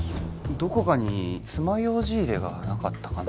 どこかに爪楊枝入れがなかったかな